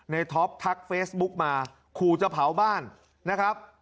ท็อปทักเฟซบุ๊กมาขู่จะเผาบ้านนะครับ